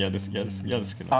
嫌ですけどね。